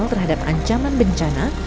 terhadap ancaman bencana